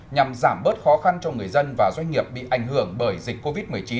nhằm giảm bớt khó khăn cho người dân và doanh nghiệp bị ảnh hưởng bởi dịch covid một mươi chín